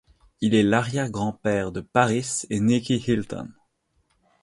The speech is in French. Il est l'arrière-grand-père de Paris et Nicky Hilton.